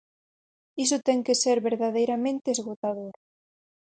Iso ten que ser verdadeiramente esgotador.